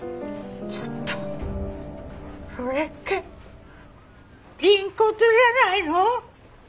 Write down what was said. ちょっとそれって人骨じゃないの？